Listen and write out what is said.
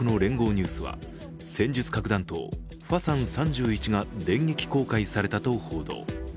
ニュースは戦術核弾頭、ファサン３１が電撃公開されたと報道。